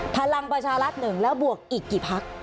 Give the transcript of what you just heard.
พลังบัชรัส๑แล้วบวกอีกกี่พัก